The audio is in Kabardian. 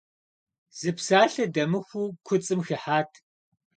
Зы псалъэ дэмыхуу куцӀым хыхьэт.